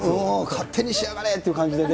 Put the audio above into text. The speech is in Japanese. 勝手にしやがれっていう感じで。